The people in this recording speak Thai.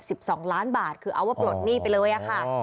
สองล้านบาทคือเอาว่าปลดหนี้ไปเลยอะค่ะ